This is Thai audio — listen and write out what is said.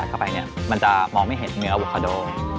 เข้าไปเนี่ยมันจะมองไม่เห็นเนื้อโวคาโด